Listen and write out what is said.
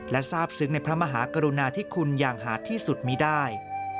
และทราบซึ้งในพระมหากรุณาธิคุณอย่างหาดที่สุดมีได้